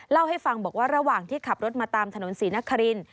เล่าให้ฟังบอกว่าระหว่างที่ขับรถมาตามถนนศรีนคริน